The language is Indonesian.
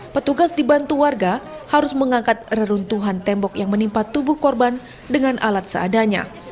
petugas dibantu warga harus mengangkat reruntuhan tembok yang menimpa tubuh korban dengan alat seadanya